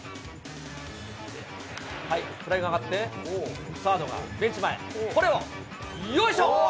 フライが上がって、サードがベンチ前、これを、よいしょ。